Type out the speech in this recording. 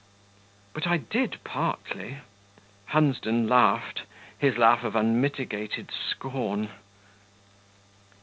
"But I did partly." Hunsden laughed his laugh of unmitigated scorn.